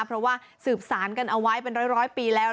เพราะว่าสืบสารกันเอาไว้เป็นร้อยปีแล้ว